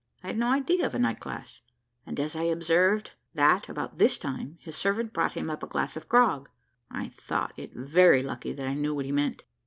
I had no idea of a night glass; and as I observed that about this time his servant brought him up a glass of grog, I thought it very lucky that I knew what he meant.